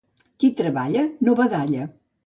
Qui treballa no badalla.